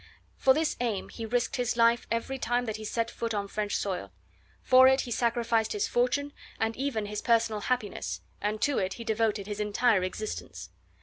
For this aim he risked his life every time that he set foot on French soil, for it he sacrificed his fortune, and even his personal happiness, and to it he devoted his entire existence.